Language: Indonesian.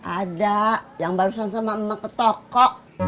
ada yang barusan sama emak ke toko